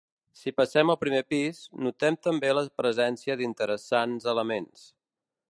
Si passem al primer pis, notem també la presència d'interessants elements.